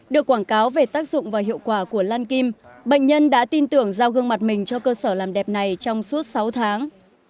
được quảng cáo về tác dụng và hiệu quả của lan kim bệnh nhân đã tin tưởng giao gương mặt mình cho cơ sở làm đẹp này trong suốt sáu tháng